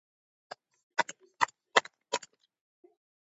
შემდგომ წლებში თეატრს ხელმძღვანელობდა ნოდარ სურმანიძე.